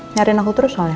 nyariin aku terus soalnya